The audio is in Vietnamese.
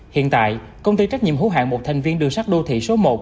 hiện tại công ty trách nhiệm hữu hạn một thành viên đường sắt đô thị số một